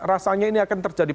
rasanya ini akan terjadi